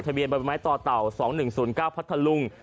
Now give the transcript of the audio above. เบียนบ่อยไม้ต่อเต่า๒๑๐๙พัทธลุง